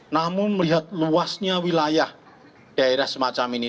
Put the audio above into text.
namun melihat luasnya wilayah daerah semacam ini